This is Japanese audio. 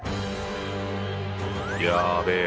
やべえ。